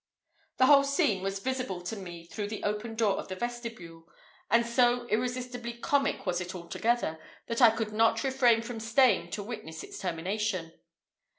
The whole scene was visible to me through the open door of the vestibule, and so irresistibly comic was it altogether, that I could not refrain from staying to witness its termination.